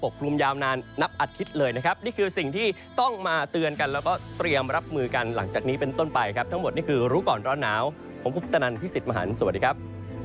กลุ่มยาวนานนับอาทิตย์เลยนะครับนี่คือสิ่งที่ต้องมาเตือนกันแล้วก็เตรียมรับมือกันหลังจากนี้เป็นต้นไปครับทั้งหมดนี่คือรู้ก่อนร้อนหนาวผมคุปตนันพี่สิทธิ์มหันฯสวัสดีครับ